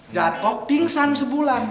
jatok pingsan sebulan